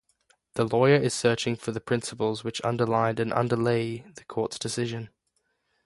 The lawyer is searching for the principles which underlined and underlay the court's decision.